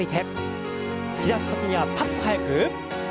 突き出す時にはパッと速く。